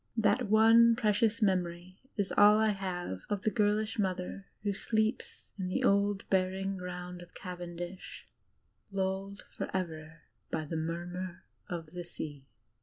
That one precious memory is all I have of the girlish mother who sleeps in the old burying ground of Cavendish, lulled forever by the murmur of the sea.